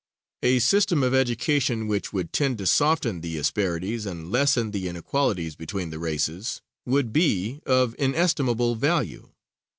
A system of education which would tend to soften the asperities and lessen the inequalities between the races would be of inestimable value.